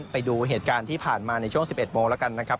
ไปดูเหตุการณ์ที่ผ่านมาในช่วง๑๑โมงแล้วกันนะครับ